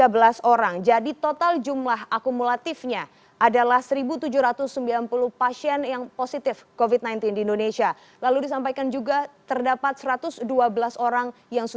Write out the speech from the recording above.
beri pensando di samping